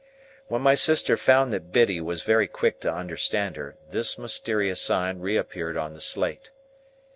When my sister found that Biddy was very quick to understand her, this mysterious sign reappeared on the slate.